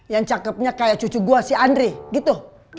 yang cakepnya kayak cucu gua si andre gitu